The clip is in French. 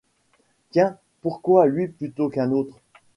Tiens! pourquoi lui plutôt qu’un autre?